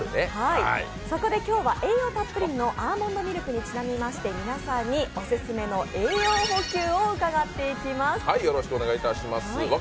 そこで今日は栄養たっぷりのアーモンドミルクにちなみまして皆さんにオススメの私の栄養補給を伺っていきます。